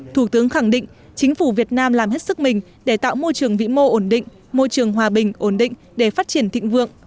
thủ tướng khẳng định chính phủ việt nam làm hết sức mình để tạo môi trường vĩ mô ổn định môi trường hòa bình ổn định để phát triển thịnh vượng